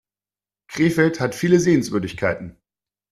Krefeld hat viele Sehenswürdigkeiten